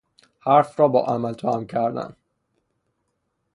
حرف را با عمل توام کردن